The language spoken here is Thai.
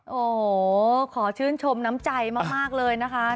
โอ้โหขอชื่นชมน้ำใจมากเลยนะคะ